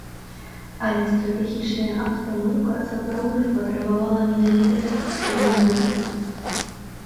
Але стратэгічная абстаноўка сапраўды патрабавала менавіта такіх тэрміновых дзеянняў.